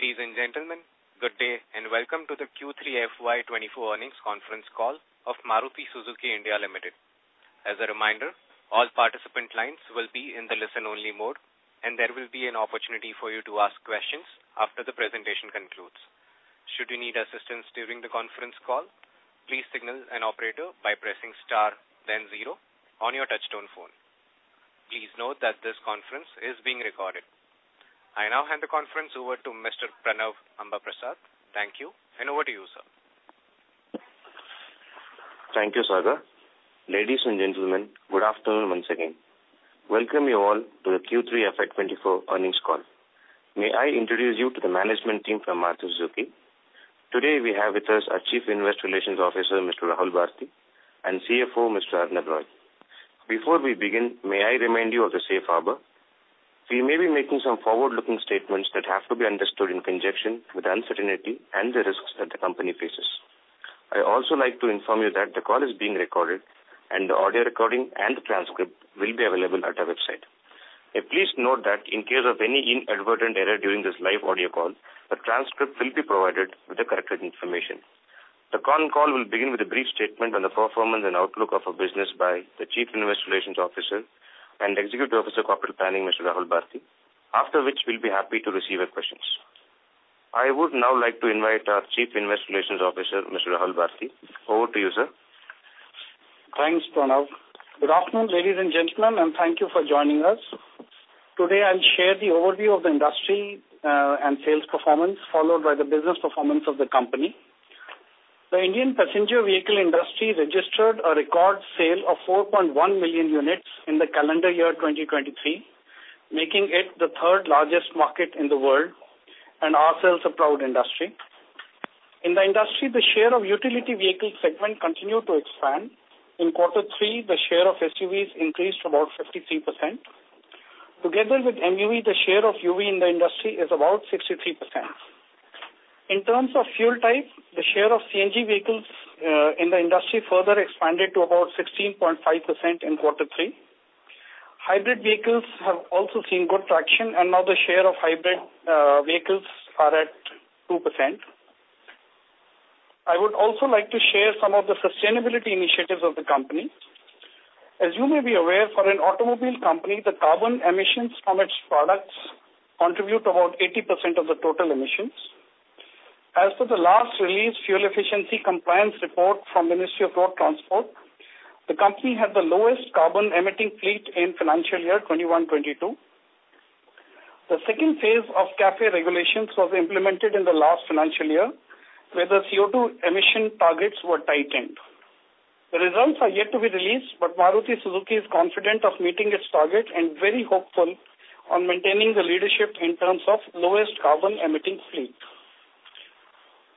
Ladies and gentlemen, good day, and welcome to the Q3 FY 2024 Earnings Conference Call of Maruti Suzuki India Limited. As a reminder, all participant lines will be in the listen-only mode, and there will be an opportunity for you to ask questions after the presentation concludes. Should you need assistance during the conference call, please signal an operator by pressing star then zero on your touchtone phone. Please note that this conference is being recorded. I now hand the conference over to Mr. Pranav Ambaprasad. Thank you, and over to you, sir. Thank you, Sagar. Ladies and gentlemen, good afternoon once again. Welcome you all to the Q3 FY24 earnings call. May I introduce you to the management team from Maruti Suzuki? Today, we have with us our Chief Investor Relations Officer, Mr. Rahul Bharti, and CFO, Mr. Arnab Roy. Before we begin, may I remind you of the safe harbor? We may be making some forward-looking statements that have to be understood in conjunction with the uncertainty and the risks that the company faces. I also like to inform you that the call is being recorded, and the audio recording and the transcript will be available at our website. Please note that in case of any inadvertent error during this live audio call, the transcript will be provided with the corrected information. The conference call will begin with a brief statement on the performance and outlook of our business by the Chief Investor Relations Officer and Executive Officer, Corporate Planning, Mr. Rahul Bharti, after which we'll be happy to receive your questions. I would now like to invite our Chief Investor Relations Officer, Mr. Rahul Bharti. Over to you, sir. Thanks, Pranav. Good afternoon, ladies and gentlemen, and thank you for joining us. Today, I'll share the overview of the industry, and sales performance, followed by the business performance of the company. The Indian passenger vehicle industry registered a record sale of 4.1 million units in the calendar year 2023, making it the third largest market in the world and ourselves a proud industry. In the industry, the share of utility vehicle segment continued to expand. In quarter three, the share of SUVs increased to about 53%. Together with MUV, the share of UV in the industry is about 63%. In terms of fuel type, the share of CNG vehicles in the industry further expanded to about 16.5% in quarter three. Hybrid vehicles have also seen good traction, and now the share of hybrid vehicles are at 2%. I would also like to share some of the sustainability initiatives of the company. As you may be aware, for an automobile company, the carbon emissions from its products contribute about 80% of the total emissions. As for the last released fuel efficiency compliance report from Ministry of Road Transport, the company had the lowest carbon-emitting fleet in financial year 2021-2022. The second phase of CAFE regulations was implemented in the last financial year, where the CO2 emission targets were tightened. The results are yet to be released, but Maruti Suzuki is confident of meeting its target and very hopeful on maintaining the leadership in terms of lowest carbon-emitting fleet.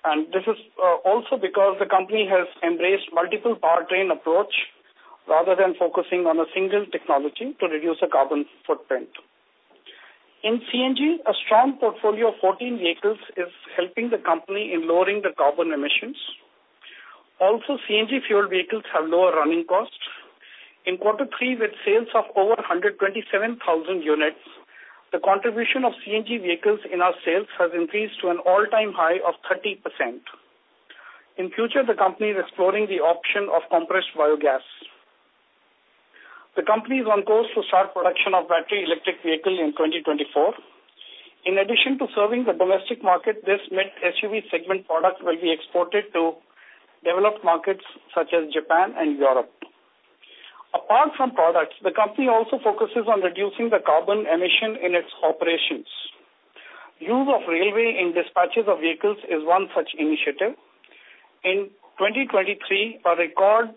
And this is also because the company has embraced multiple powertrain approach rather than focusing on a single technology to reduce the carbon footprint. In CNG, a strong portfolio of 14 vehicles is helping the company in lowering the carbon emissions. Also, CNG fuel vehicles have lower running costs. In quarter three, with sales of over 127,000 units, the contribution of CNG vehicles in our sales has increased to an all-time high of 30%. In future, the company is exploring the option of compressed biogas. The company is on course to start production of battery electric vehicles in 2024. In addition to serving the domestic market, this mid-SUV segment product will be exported to developed markets such as Japan and Europe. Apart from products, the company also focuses on reducing the carbon emission in its operations. Use of railway in dispatches of vehicles is one such initiative. In 2023, a record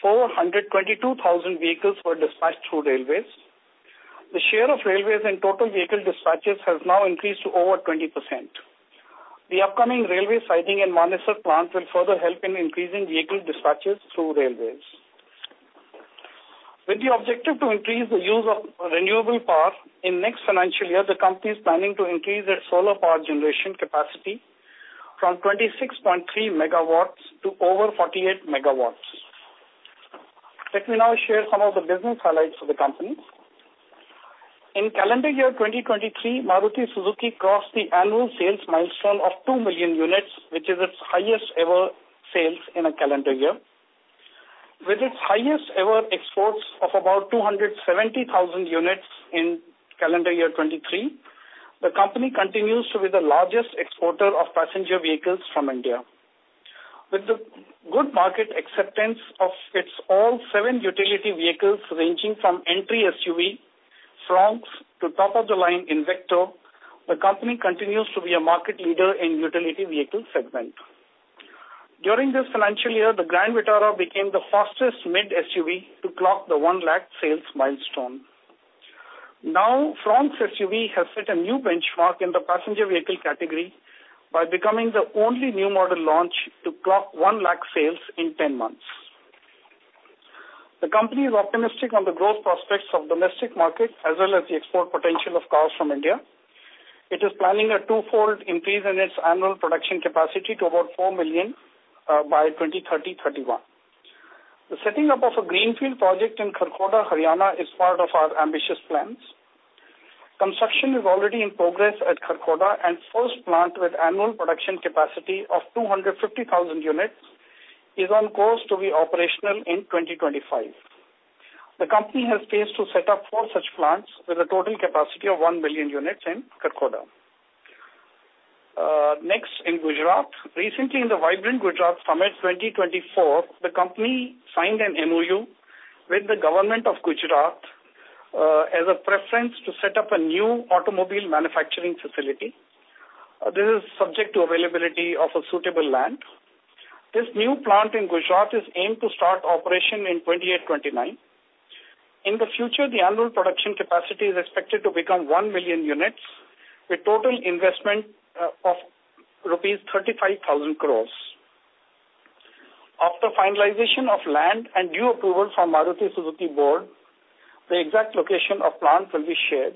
422,000 vehicles were dispatched through railways. The share of railways in total vehicle dispatches has now increased to over 20%. The upcoming railway siding and Manesar plant will further help in increasing vehicle dispatches through railways. With the objective to increase the use of renewable power, in next financial year, the company is planning to increase its solar power generation capacity from 26.3 MW to over 48 MW. Let me now share some of the business highlights of the company. In calendar year 2023, Maruti Suzuki crossed the annual sales milestone of 2 million units, which is its highest-ever sales in a calendar year. With its highest-ever exports of about 270,000 units in calendar year 2023, the company continues to be the largest exporter of passenger vehicles from India. With the good market acceptance of its all seven utility vehicles, ranging from entry SUV, Fronx, to top-of-the-line Invicto, the company continues to be a market leader in utility vehicle segment. During this financial year, the Grand Vitara became the fastest mid SUV to clock the 100,000 sales milestone. Now, Fronx SUV has set a new benchmark in the passenger vehicle category by becoming the only new model launch to clock 100,000 sales in 10 months. The company is optimistic on the growth prospects of domestic market, as well as the export potential of cars from India. It is planning a twofold increase in its annual production capacity to about 4 million by 2030-2031. The setting up of a greenfield project in Kharkhoda, Haryana, is part of our ambitious plans. Construction is already in progress at Kharkhoda, and first plant with annual production capacity of 250,000 units is on course to be operational in 2025. The company has plans to set up four such plants with a total capacity of 1 billion units in Kharkhoda. Next, in Gujarat. Recently, in the Vibrant Gujarat Summit 2024, the company signed an MOU with the government of Gujarat, as a preference to set up a new automobile manufacturing facility. This is subject to availability of a suitable land. This new plant in Gujarat is aimed to start operation in 2028-2029. In the future, the annual production capacity is expected to become 1 million units, with total investment, of rupees 35,000 crore. After finalization of land and due approval from Maruti Suzuki Board, the exact location of plant will be shared.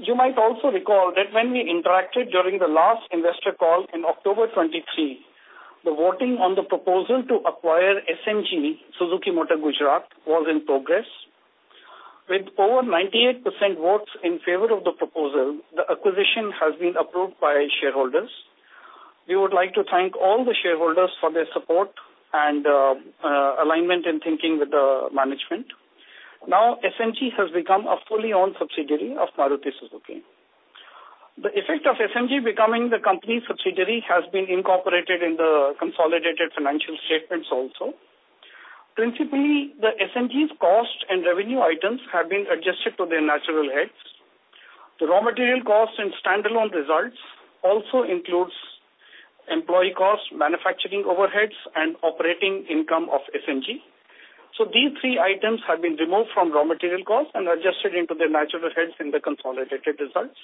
You might also recall that when we interacted during the last investor call in October 2023, the voting on the proposal to acquire SMG, Suzuki Motor Gujarat, was in progress. With over 98% votes in favor of the proposal, the acquisition has been approved by shareholders. We would like to thank all the shareholders for their support and alignment in thinking with the management. Now, SMG has become a fully owned subsidiary of Maruti Suzuki. The effect of SMG becoming the company's subsidiary has been incorporated in the consolidated financial statements also. Principally, the SMG's cost and revenue items have been adjusted to their natural heads. The raw material costs and standalone results also includes employee costs, manufacturing overheads, and operating income of SMG. So these three items have been removed from raw material costs and adjusted into their natural heads in the consolidated results.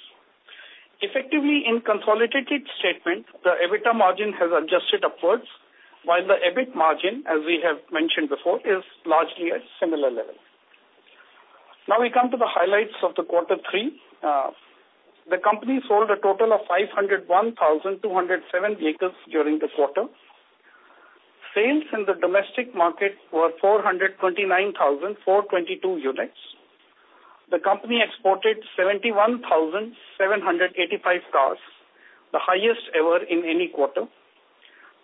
Effectively, in consolidated statement, the EBITDA margin has adjusted upwards, while the EBIT margin, as we have mentioned before, is largely at similar level. Now we come to the highlights of the quarter three. The company sold a total of 501,207 vehicles during the quarter. Sales in the domestic market were 429,422 units. The company exported 71,785 cars, the highest ever in any quarter.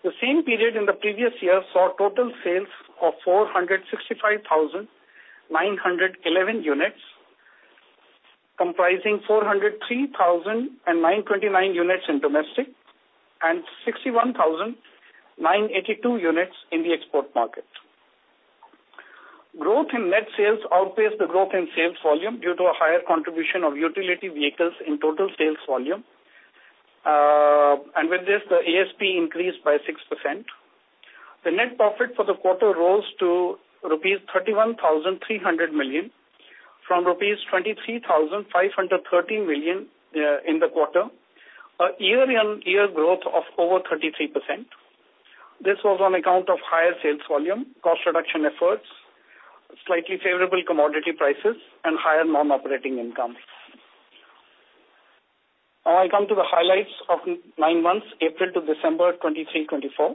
The same period in the previous year saw total sales of 465,911 units, comprising 403,929 units in domestic and 61,982 units in the export market. Growth in net sales outpaced the growth in sales volume due to a higher contribution of utility vehicles in total sales volume. And with this, the ASP increased by 6%. The net profit for the quarter rose to rupees 31,300 million, from rupees 23,513 million in the quarter, a year-on-year growth of over 33%. This was on account of higher sales volume, cost reduction efforts, slightly favorable commodity prices, and higher non-operating income. Now, I come to the highlights of nine months, April to December 2023-2024.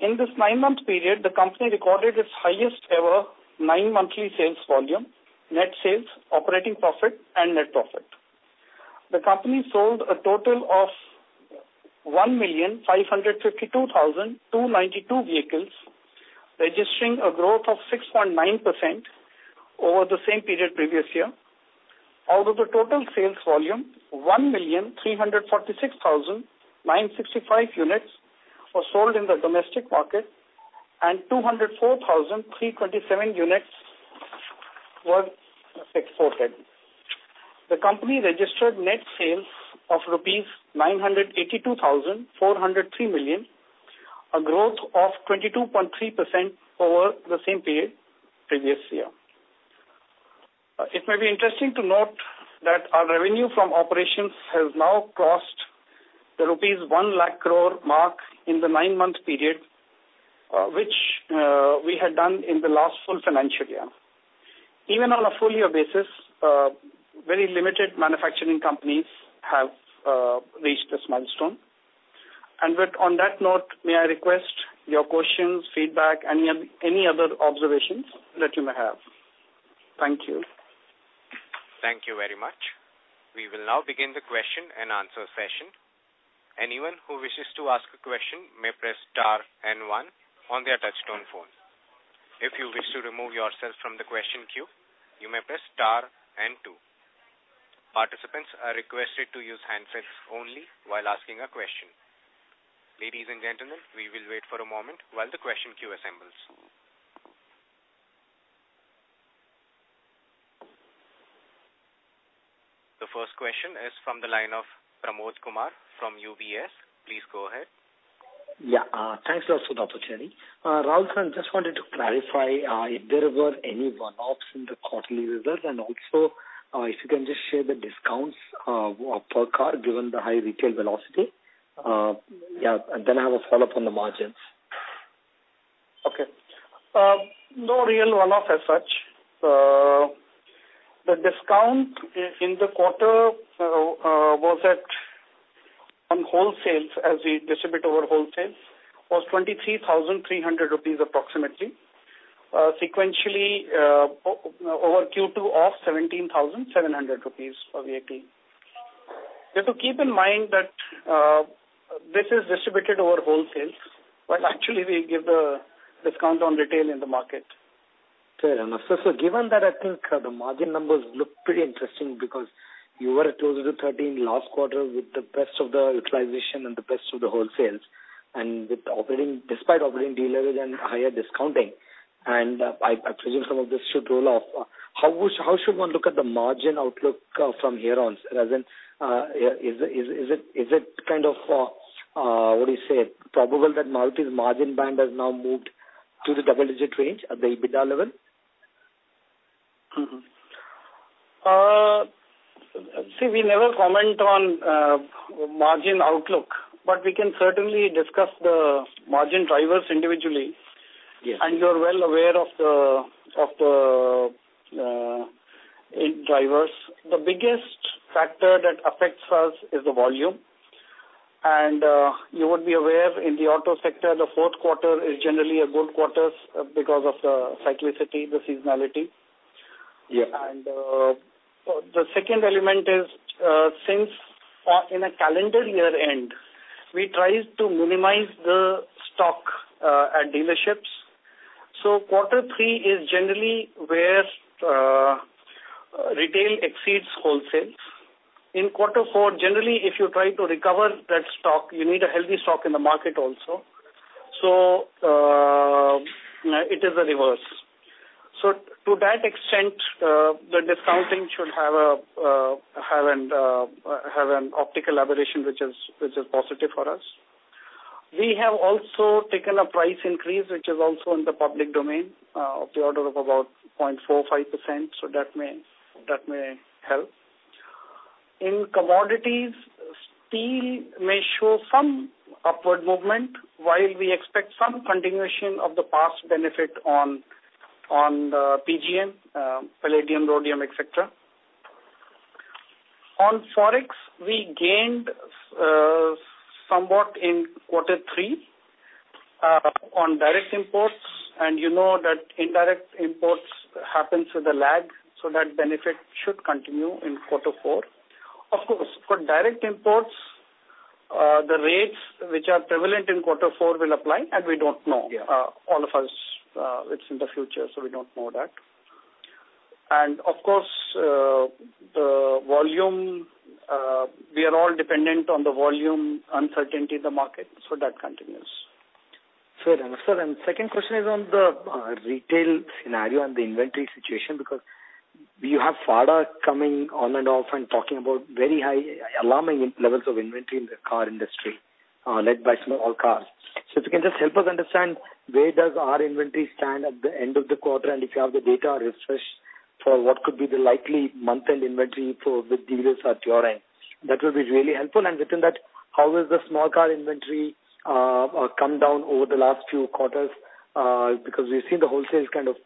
In this nine-month period, the company recorded its highest ever nine monthly sales volume, net sales, operating profit and net profit. The company sold a total of 1,552,292 vehicles, registering a growth of 6.9% over the same period previous year. Out of the total sales volume, 1,346,965 units were sold in the domestic market and 204,327 units were exported. The company registered net sales of rupees 982,403 million, a growth of 22.3% over the same period previous year. It may be interesting to note that our revenue from operations has now crossed the rupees 100,000 crore mark in the nine-month period, which we had done in the last full financial year. Even on a full year basis, very limited manufacturing companies have reached this milestone. On that note, may I request your questions, feedback, any, any other observations that you may have? Thank you. Thank you very much. We will now begin the question-and-answer session. Anyone who wishes to ask a question may press star and one on their touchtone phone. If you wish to remove yourself from the question queue, you may press star and two. Participants are requested to use handsets only while asking a question. Ladies and gentlemen, we will wait for a moment while the question queue assembles. The first question is from the line of Pramod Kumar from UBS. Please go ahead. Yeah, thanks for the opportunity. Rahul Bharti, just wanted to clarify, if there were any one-offs in the quarterly results, and also, if you can just share the discounts, per car, given the high retail velocity. Yeah, and then I have a follow-up on the margins. Okay. No real one-off as such. In the quarter, was at, on wholesales, as we distribute over wholesales, was 23,300 rupees approximately, sequentially, over Q2 of 17,700 rupees of EBIT. Just to keep in mind that, this is distributed over wholesales, but actually we give the discount on retail in the market. Fair enough. So given that, I think the margin numbers look pretty interesting because you were at 12-13 last quarter with the best of the utilization and the best of the wholesales, and despite operating dealers and higher discounting, and I presume some of this should roll off. How should one look at the margin outlook from here on, rather than is it kind of what do you say probable that Maruti's margin band has now moved to the double-digit range at the EBITDA level? Mm-hmm. See, we never comment on margin outlook, but we can certainly discuss the margin drivers individually. Yes. You're well aware of the eight drivers. The biggest factor that affects us is the volume. You would be aware in the auto sector, the fourth quarter is generally a good quarter because of the cyclicity, the seasonality. Yeah. The second element is, since in a calendar year end, we try to minimize the stock at dealerships. So quarter three is generally where retail exceeds wholesales. In quarter four, generally, if you try to recover that stock, you need a healthy stock in the market also. So it is the reverse. So to that extent, the discounting should have an optical aberration, which is positive for us. We have also taken a price increase, which is also in the public domain, of the order of about 0.45%, so that may help. In commodities, steel may show some upward movement, while we expect some continuation of the past benefit on the PGM, palladium, rhodium, et cetera. On Forex, we gained somewhat in quarter three on direct imports, and you know that indirect imports happens with a lag, so that benefit should continue in quarter four. Of course, for direct imports, the rates which are prevalent in quarter four will apply, and we don't know. Yeah. All of us, it's in the future, so we don't know that. And of course, the volume, we are all dependent on the volume, uncertainty in the market, so that continues. Fair enough, sir. Second question is on the retail scenario and the inventory situation, because you have FADA coming on and off and talking about very high, alarming levels of inventory in the car industry, led by small cars. So if you can just help us understand, where does our inventory stand at the end of the quarter, and if you have the data refresh for what could be the likely month-end inventory for the dealers at your end? That will be really helpful. Within that, how is the small car inventory come down over the last few quarters? Because we've seen the wholesales kind of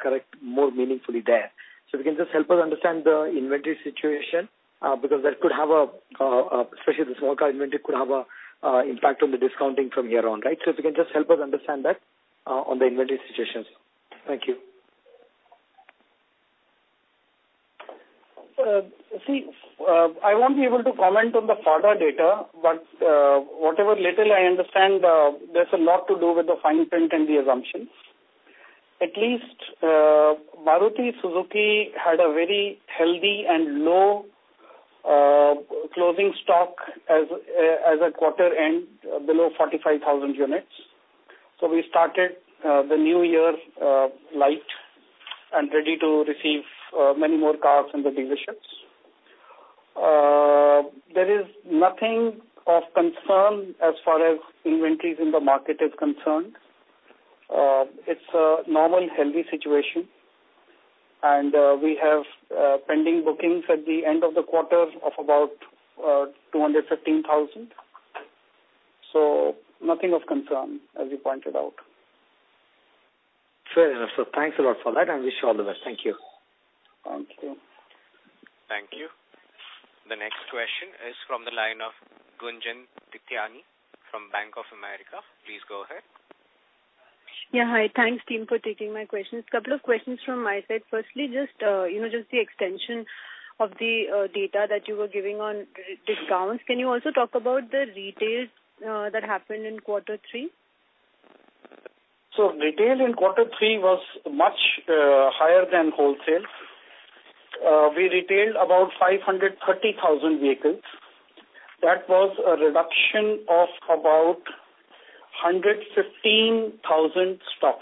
correct more meaningfully there. So if you can just help us understand the inventory situation, because that could have a, especially the small car inventory, could have a impact on the discounting from here on, right? So if you can just help us understand that, on the inventory situations. Thank you. See, I won't be able to comment on the FADA data, but whatever little I understand, there's a lot to do with the fine print and the assumptions. At least, Maruti Suzuki had a very healthy and low closing stock as a quarter end, below 45,000 units. So we started the new year light and ready to receive many more cars in the dealerships. There is nothing of concern as far as inventories in the market is concerned. It's a normal, healthy situation. And we have pending bookings at the end of the quarter of about 215,000. So nothing of concern, as you pointed out. Fair enough, sir. Thanks a lot for that, and wish you all the best. Thank you. Thank you. Thank you. The next question is from the line of Gunjan Prithyani from Bank of America. Please go ahead. Yeah, hi. Thanks, team, for taking my questions. A couple of questions from my side. Firstly, just, you know, just the extension of the data that you were giving on discounts. Can you also talk about the retails that happened in quarter three? Retail in quarter three was much higher than wholesale. We retailed about 530,000 vehicles. That was a reduction of about 115,000 stock.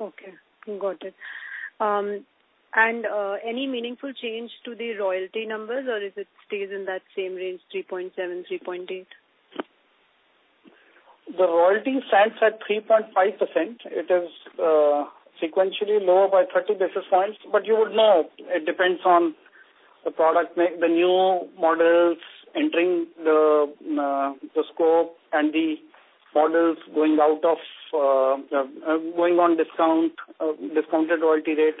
Okay, got it. Any meaningful change to the royalty numbers, or is it stays in that same range, 3.7%-3.8%? The royalty stands at 3.5%. It is sequentially lower by 30 basis points, but you would know, it depends on the product, the new models entering the scope and the models going out of going on discount, discounted royalty rate.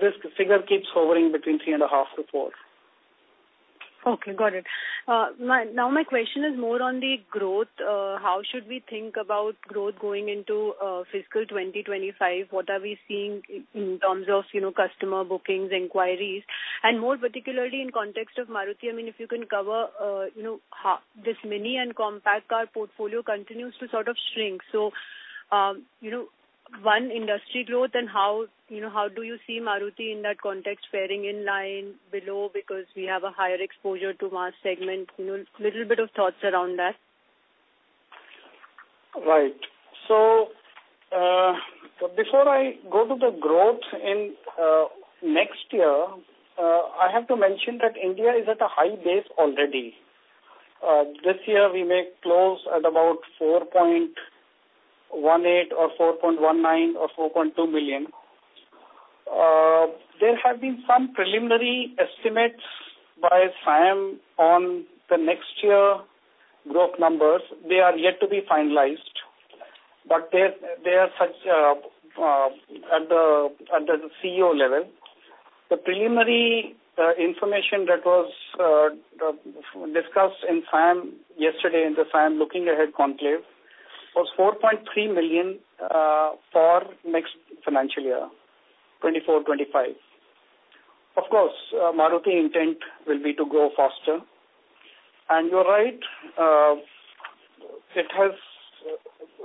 This figure keeps hovering between 3.5%-4%. Okay, got it. Now my question is more on the growth. How should we think about growth going into fiscal 2025? What are we seeing in terms of, you know, customer bookings, inquiries, and more particularly in context of Maruti? I mean, if you can cover, you know, how this mini and compact car portfolio continues to sort of shrink. So, you know, one, industry growth, and how, you know, how do you see Maruti in that context faring in line below? Because we have a higher exposure to large segment. You know, little bit of thoughts around that. Right. So, before I go to the growth in next year, I have to mention that India is at a high base already. This year, we may close at about 4.18 million or 4.19 million or 4.2 million. There have been some preliminary estimates by SIAM on the next year growth numbers. They are yet to be finalized, but they are such at the CEO level. The preliminary information that was discussed in SIAM yesterday, in the SIAM Looking Ahead conclave, was 4.3 million for next financial year, 2024-2025. Of course, Maruti intent will be to grow faster. And you're right, it has,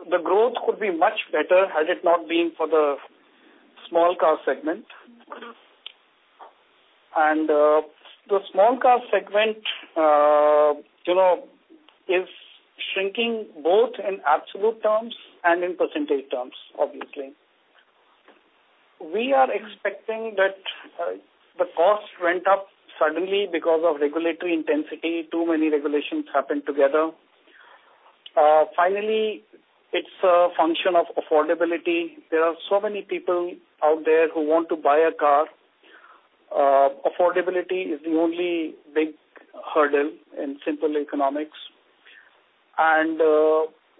the growth could be much better had it not been for the small car segment. The small car segment, you know, is shrinking both in absolute terms and in percentage terms, obviously. We are expecting that the cost went up suddenly because of regulatory intensity. Too many regulations happened together. Finally, it's a function of affordability. There are so many people out there who want to buy a car. Affordability is the only big hurdle in simple economics.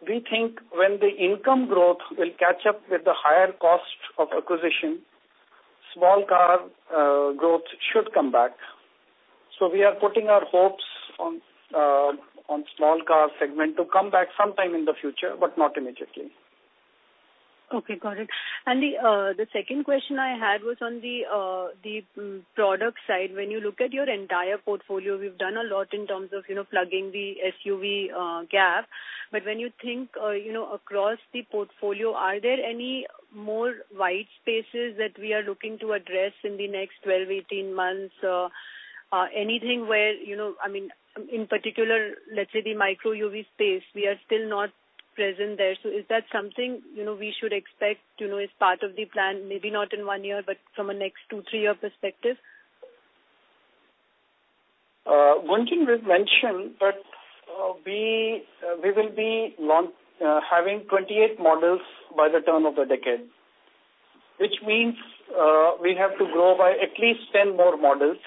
We think when the income growth will catch up with the higher cost of acquisition, small car growth should come back. So we are putting our hopes on the small car segment to come back sometime in the future, but not immediately. Okay, got it. And the second question I had was on the product side. When you look at your entire portfolio, we've done a lot in terms of, you know, plugging the SUV gap. But when you think, you know, across the portfolio, are there any more white spaces that we are looking to address in the next 12-18 months? Or anything where, you know, I mean, in particular, let's say the micro UV space, we are still not present there. So is that something, you know, we should expect, you know, as part of the plan? Maybe not in one year, but from a next two-three year perspective? One thing we've mentioned, that we will be launch having 28 models by the turn of the decade, which means we have to grow by at least 10 more models,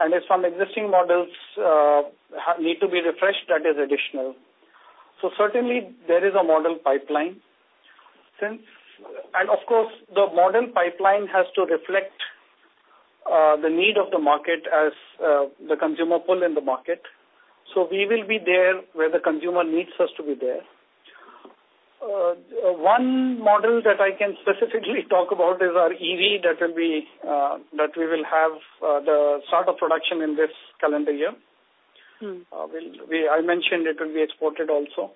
and if some existing models need to be refreshed, that is additional. So certainly there is a model pipeline. Of course, the model pipeline has to reflect the need of the market as the consumer pull in the market. So we will be there where the consumer needs us to be there. One model that I can specifically talk about is our EV. That will be that we will have the start of production in this calendar year. Mm-hmm. I mentioned it will be exported also.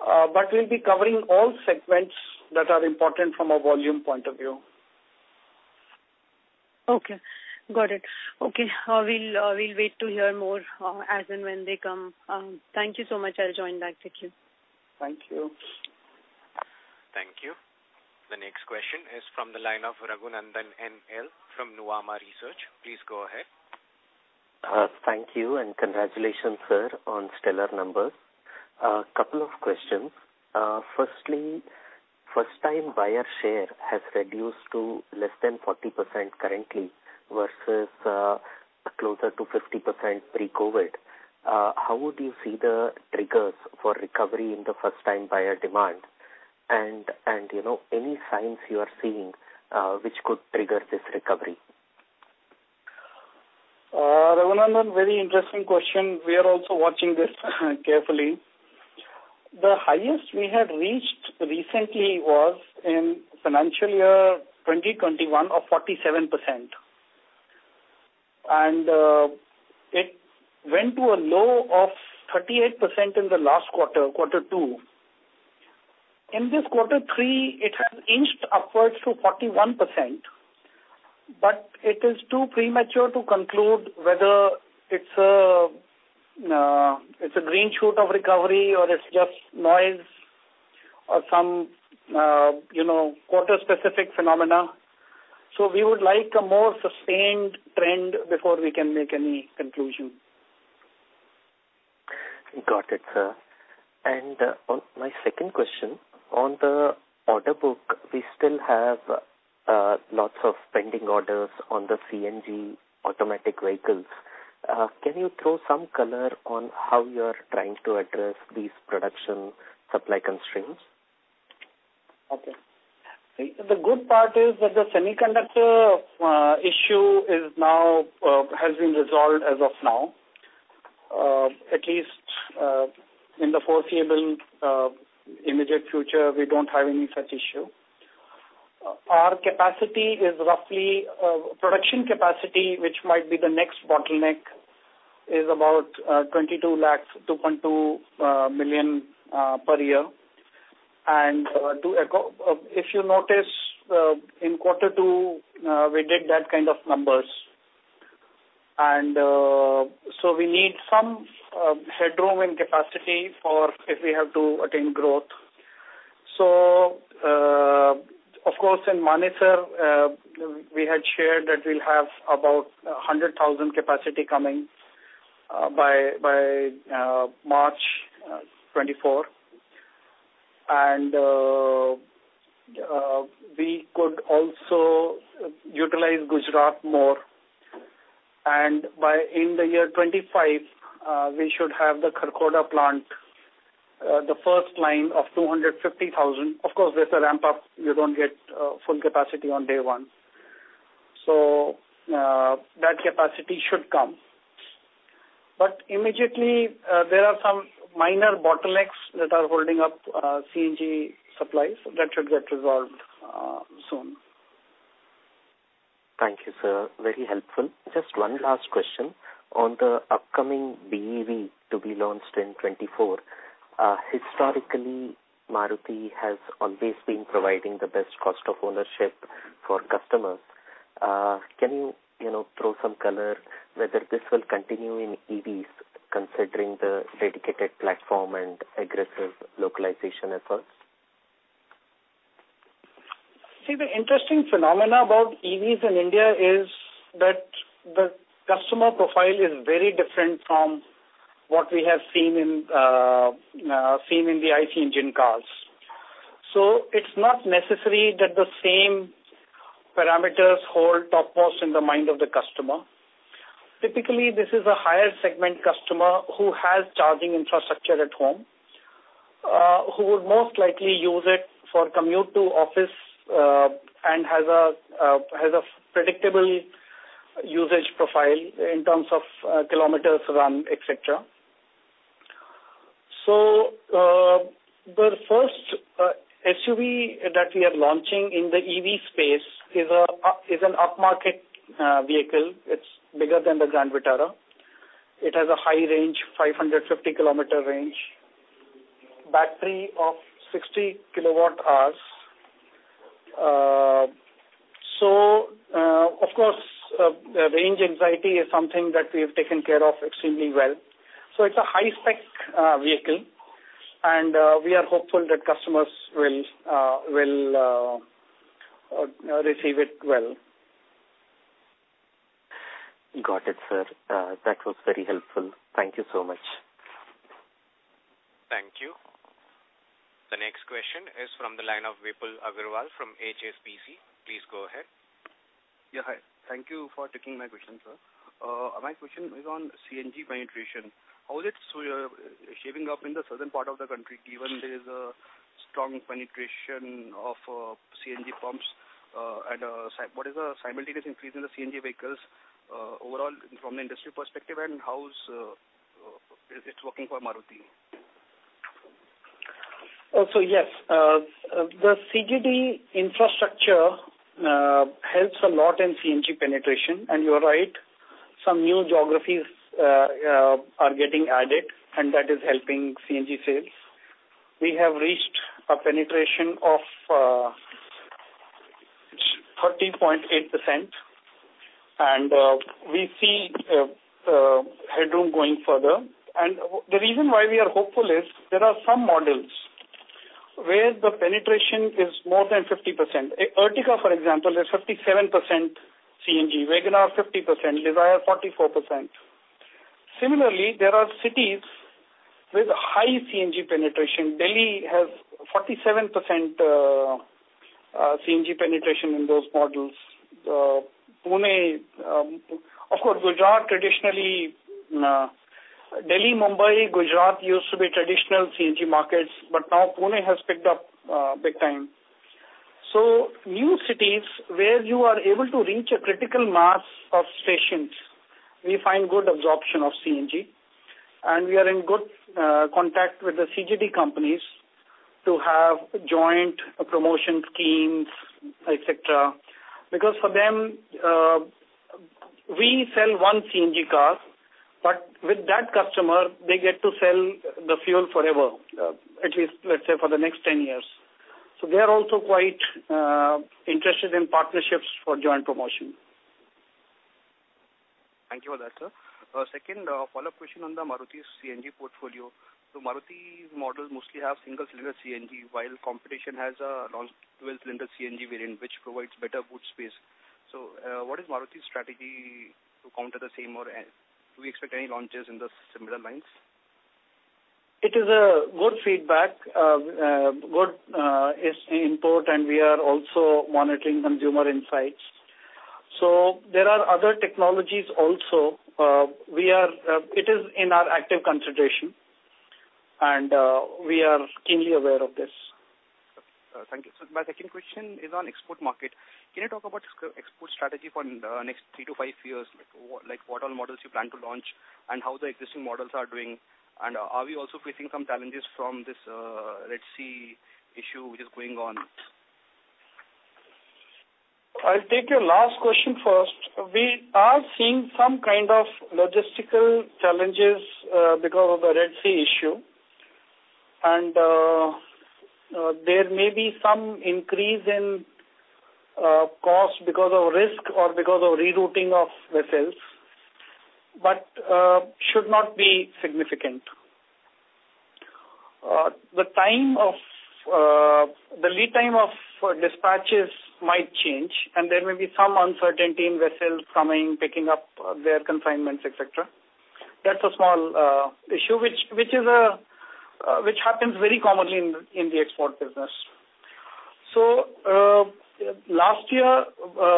But we'll be covering all segments that are important from a volume point of view. Okay, got it. Okay, we'll wait to hear more, as and when they come. Thank you so much. I'll join back to you. Thank you. Thank you. The next question is from the line of Raghunandan NL from Nuvama Research. Please go ahead. Thank you, and congratulations, sir, on stellar numbers. A couple of questions. Firstly, first time buyer share has reduced to less than 40% currently versus closer to 50% pre-COVID. How would you see the triggers for recovery in the first time buyer demand? And, you know, any signs you are seeing which could trigger this recovery? Raghunandan, very interesting question. We are also watching this carefully. The highest we had reached recently was in financial year 2021 of 47%, and it went to a low of 38% in the last quarter, quarter two. In this quarter three, it has inched upwards to 41%, but it is too premature to conclude whether it's a green shoot of recovery or it's just noise or some you know, quarter specific phenomena. So we would like a more sustained trend before we can make any conclusion. Got it, sir. And, on my second question, on the order book, we still have, lots of pending orders on the CNG automatic vehicles. Can you throw some color on how you are trying to address these production supply constraints? Okay. See, the good part is that the semiconductor issue is now has been resolved as of now. At least in the foreseeable immediate future, we don't have any such issue. Our capacity is roughly production capacity, which might be the next bottleneck, is about 22 lakhs, 2.2 million per year. And to echo if you notice in quarter two we did that kind of numbers. And so we need some headroom and capacity for if we have to attain growth. So of course, in Manesar we had shared that we'll have about 100,000 capacity coming by March 2024. And we could also utilize Gujarat more. And by in the year 2025, we should have the Kharkhoda plant, the first line of 250,000. Of course, with the ramp up, you don't get full capacity on day one. So, that capacity should come. But immediately, there are some minor bottlenecks that are holding up CNG supplies that should get resolved soon. Thank you, sir. Very helpful. Just one last question. On the upcoming BEV to be launched in 2024, historically, Maruti has always been providing the best cost of ownership for customers. Can you, you know, throw some color whether this will continue in EVs, considering the dedicated platform and aggressive localization efforts? See, the interesting phenomenon about EVs in India is that the customer profile is very different from what we have seen in the IC engine cars. So it's not necessary that the same parameters hold topmost in the mind of the customer. Typically, this is a higher segment customer who has charging infrastructure at home, who would most likely use it for commute to office, and has a predictable usage profile in terms of kilometers run, et cetera. So the first SUV that we are launching in the EV space is an upmarket vehicle. It's bigger than the Grand Vitara. It has a high range, 550 km range, battery of 60 kWh. So of course the range anxiety is something that we have taken care of extremely well. So it's a high-spec vehicle, and we are hopeful that customers will receive it well. Got it, sir. That was very helpful. Thank you so much. Thank you. The next question is from the line of Vipul Aggarwal from HSBC. Please go ahead. Yeah, hi. Thank you for taking my question, sir. My question is on CNG penetration. How is it shaping up in the southern part of the country, given there is a strong penetration of CNG pumps, and what is the simultaneous increase in the CNG vehicles overall from the industry perspective, and how is it working for Maruti? So yes, the CGD infrastructure helps a lot in CNG penetration. And you're right, some new geographies are getting added, and that is helping CNG sales. We have reached a penetration of 13.8%, and we see headroom going further. And the reason why we are hopeful is there are some models where the penetration is more than 50%. Ertiga, for example, is 57% CNG, WagonR, 50%, Dzire, 44%. Similarly, there are cities with high CNG penetration. Delhi has 47% CNG penetration in those models. Pune... Of course, Gujarat, traditionally, Delhi, Mumbai, Gujarat used to be traditional CNG markets, but now Pune has picked up big time. So new cities where you are able to reach a critical mass of stations, we find good absorption of CNG, and we are in good contact with the CGD companies to have joint promotion schemes, et cetera. Because for them, we sell one CNG car, but with that customer, they get to sell the fuel forever, at least, let's say, for the next 10 years. So they are also quite interested in partnerships for joint promotion. Thank you for that, sir. Second, follow-up question on the Maruti's CNG portfolio. So Maruti's models mostly have single cylinder CNG, while competition has launched dual cylinder CNG variant, which provides better boot space. So, what is Maruti's strategy to counter the same or do we expect any launches in the similar lines? It is a good feedback. Good is the input, and we are also monitoring consumer insights. So there are other technologies also. It is in our active consideration, and we are keenly aware of this. Thank you. So my second question is on export market. Can you talk about export strategy for the next three-five years? Like, what models you plan to launch, and how the existing models are doing, and are we also facing some challenges from this Red Sea issue, which is going on? I'll take your last question first. We are seeing some kind of logistical challenges because of the Red Sea issue, and there may be some increase in cost because of risk or because of rerouting of vessels, but should not be significant. The time of the lead time of dispatches might change, and there may be some uncertainty in vessels coming, picking up their consignments, et cetera. That's a small issue, which happens very commonly in the export business. So, last year,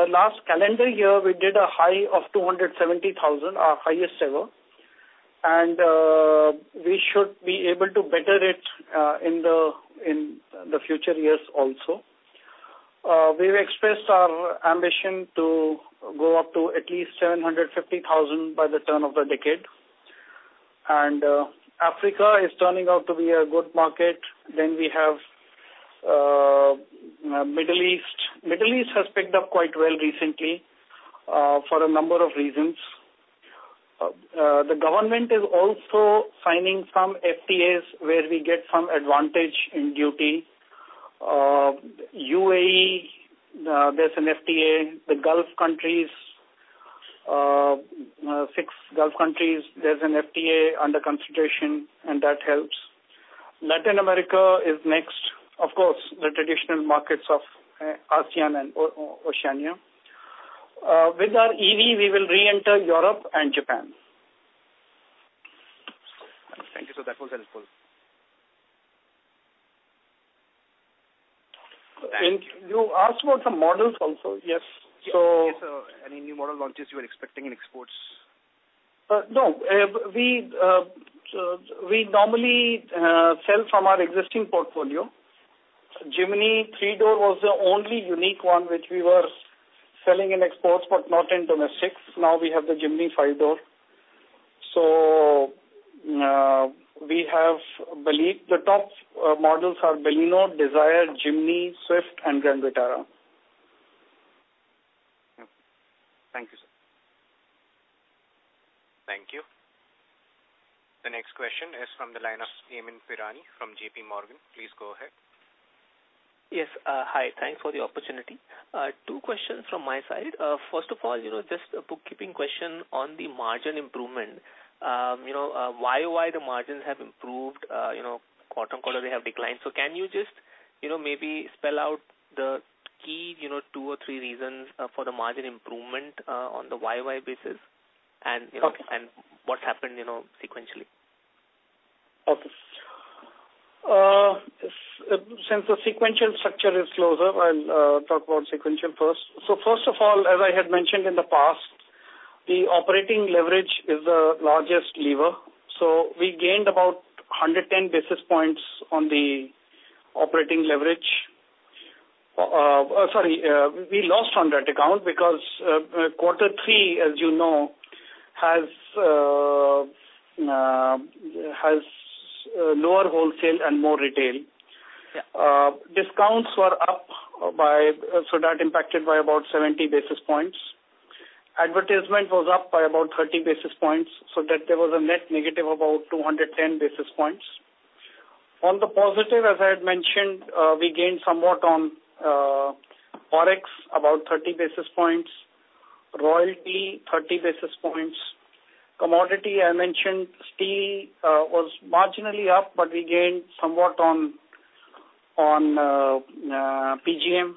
last calendar year, we did a high of 270,000, our highest ever, and we should be able to better it in the future years also. We've expressed our ambition to go up to at least 750,000 by the turn of the decade. And Africa is turning out to be a good market. Then we have Middle East. Middle East has picked up quite well recently for a number of reasons. The government is also signing some FTAs where we get some advantage in duty. UAE, there's an FTA. The Gulf countries, six Gulf countries, there's an FTA under consideration, and that helps. Latin America is next, of course, the traditional markets of ASEAN and Oceania. With our EV, we will reenter Europe and Japan. Thank you, sir. That was helpful. You asked about some models also? Yes. So- Yes, so any new model launches you are expecting in exports? No. We normally sell from our existing portfolio. Jimny three-door was the only unique one, which we were selling in exports, but not in domestic. Now we have the Jimny five-door. So, we have Baleno. The top models are Baleno, Dzire, Jimny, Swift, and Grand Vitara. Thank you, sir. Thank you. The next question is from the line of Amyn Pirani from JPMorgan. Please go ahead. Yes, hi. Thanks for the opportunity. Two questions from my side. First of all, you know, just a bookkeeping question on the margin improvement. You know, why the margins have improved, you know, quarter-on-quarter, they have declined. So can you just, you know, maybe spell out the key, you know, two or three reasons for the margin improvement on the YY basis, and, you know- Okay. What happened, you know, sequentially? Okay. Since the sequential structure is closer, I'll talk about sequential first. So first of all, as I had mentioned in the past, the operating leverage is the largest lever. So we gained about 110 basis points on the operating leverage. Sorry, we lost on that account because quarter three, as you know, has lower wholesale and more retail. Yeah. Discounts were up by, so that impacted by about 70 basis points. Advertisement was up by about 30 basis points, so that there was a net negative, about 210 basis points. On the positive, as I had mentioned, we gained somewhat on, Forex, about 30 basis points, royalty, 30 basis points. Commodity, I mentioned, steel, was marginally up, but we gained somewhat on, PGM,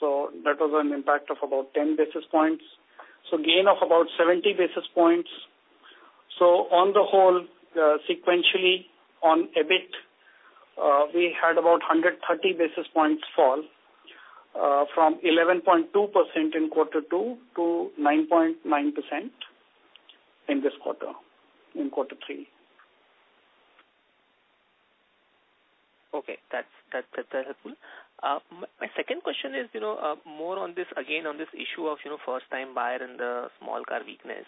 so that was an impact of about 10 basis points. So gain of about 70 basis points. So on the whole, sequentially on EBIT, we had about 130 basis points fall, from 11.2% in quarter two to 9.9% in this quarter, in quarter three. Okay, that's helpful. My second question is, you know, more on this, again, on this issue of, you know, first-time buyer and the small car weakness.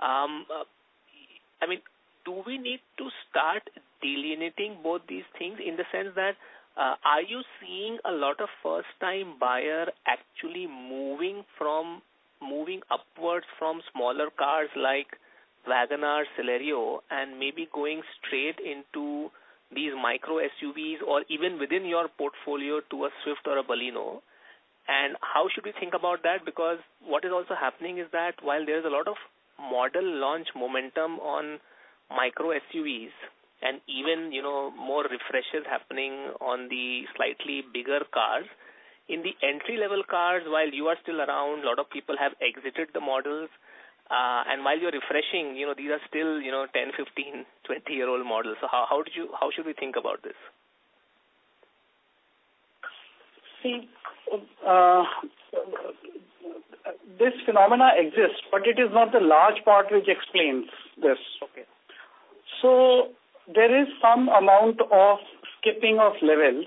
I mean, do we need to start delineating both these things in the sense that, are you seeing a lot of first-time buyer actually moving from, moving upwards from smaller cars like WagonR, Celerio, and maybe going straight into these micro SUVs or even within your portfolio to a Swift or a Baleno? And how should we think about that? Because what is also happening is that while there is a lot of model launch momentum on micro SUVs and even, you know, more refreshes happening on the slightly bigger cars. In the entry-level cars, while you are still around, a lot of people have exited the models. And while you're refreshing, you know, these are still, you know, 10, 15, 20-year-old models. So how should we think about this? See, this phenomenon exists, but it is not the large part which explains this. Okay. So there is some amount of skipping of levels,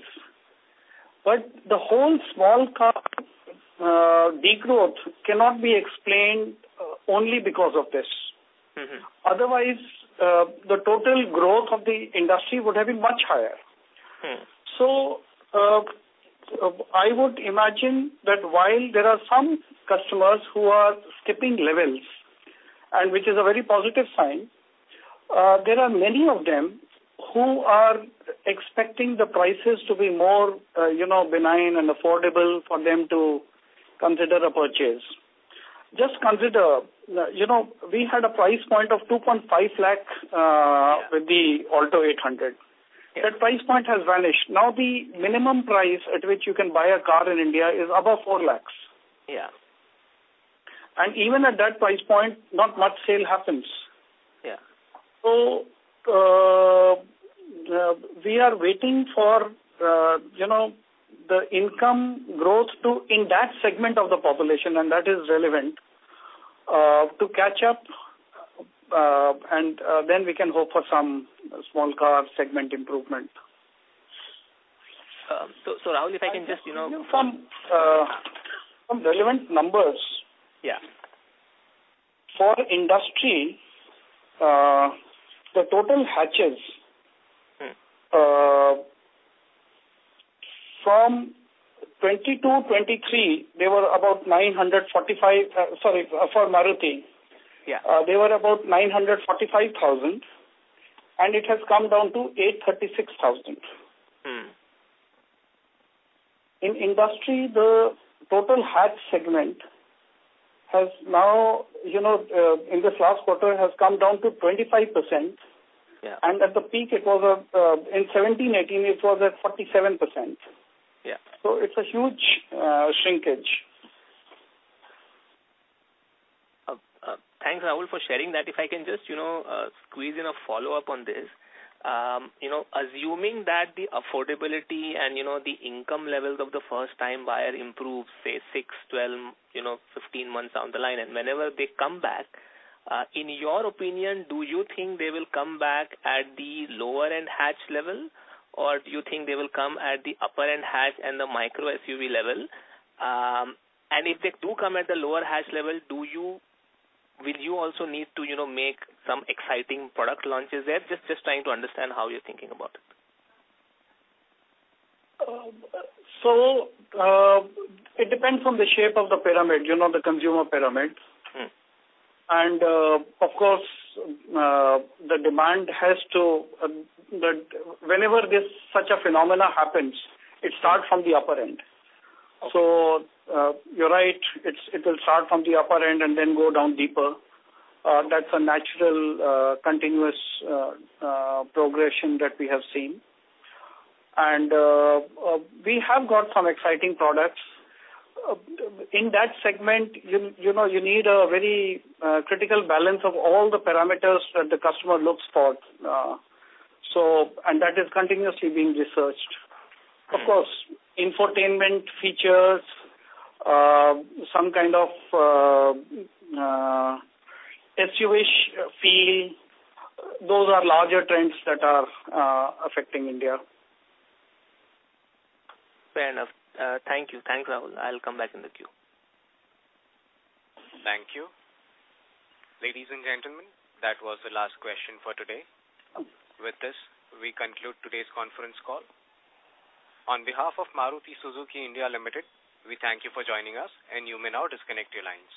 but the whole small car degrowth cannot be explained only because of this. Mm-hmm. Otherwise, the total growth of the industry would have been much higher. Hmm. So, I would imagine that while there are some customers who are skipping levels, and which is a very positive sign, there are many of them who are expecting the prices to be more, you know, benign and affordable for them to consider a purchase. Just consider, you know, we had a price point of 2.5 lakh with the Alto 800. Yeah. That price point has vanished. Now, the minimum price at which you can buy a car in India is above 4 lakh. Yeah. Even at that price point, not much sale happens. Yeah. We are waiting for, you know, the income growth to in that segment of the population, and that is relevant to catch up, and then we can hope for some small car segment improvement. So, Rahul, if I can just, you know- Some relevant numbers. Yeah. For industry, the total hatches- Hmm. From 2022-2023, they were about 945, sorry, for Maruti. Yeah. They were about 945,000, and it has come down to 836,000. Hmm. In industry, the total hatch segment has now, you know, in this last quarter, has come down to 25%. Yeah. At the peak, it was in 2017, 2018, it was at 47%. Yeah. It's a huge shrinkage. Thanks, Rahul, for sharing that. If I can just, you know, squeeze in a follow-up on this. You know, assuming that the affordability and, you know, the income levels of the first time buyer improves, say, six, 12, you know, 15 months down the line, and whenever they come back, in your opinion, do you think they will come back at the lower-end hatch level, or do you think they will come at the upper-end hatch and the micro SUV level? And if they do come at the lower hatch level, will you also need to, you know, make some exciting product launches there? Just trying to understand how you're thinking about it. It depends on the shape of the pyramid, you know, the consumer pyramid. Hmm. Of course, the demand has to that whenever this such a phenomenon happens, it starts from the upper end. Okay. So, you're right, it's, it will start from the upper end and then go down deeper. That's a natural, continuous, progression that we have seen. And we have got some exciting products. In that segment, you, you know, you need a very, critical balance of all the parameters that the customer looks for. So, and that is continuously being researched. Of course, infotainment features, some kind of, SUV-ish feel, those are larger trends that are, affecting India. Fair enough. Thank you. Thank you, Rahul. I'll come back in the queue. Thank you. Ladies and gentlemen, that was the last question for today. With this, we conclude today's conference call. On behalf of Maruti Suzuki India Limited, we thank you for joining us, and you may now disconnect your lines.